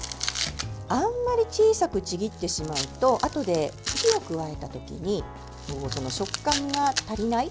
あんまり小さくちぎってしまうとあとで火を加えた時に食感が足りない。